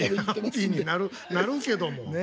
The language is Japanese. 「ハッピーになるけども」。